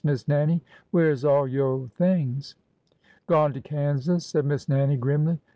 Miss Nan nie. Where 's all yo' things ?"" Gone to Kansas," said Miss Nannie, grimly.